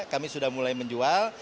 kami sudah mulai menjual